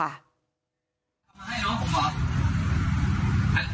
มาให้น้องของผม